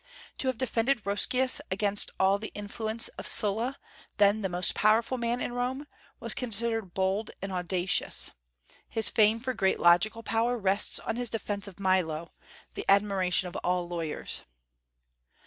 To have defended Roscius against all the influence of Sulla, then the most powerful man in Rome, was considered bold and audacious. His fame for great logical power rests on his defence of Milo, the admiration of all lawyers.